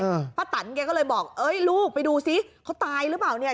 ป้าตันแกก็เลยบอกเอ้ยลูกไปดูซิเขาตายหรือเปล่าเนี้ย